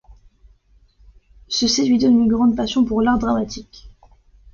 Ceci lui donne une grande passion pour l'art dramatique.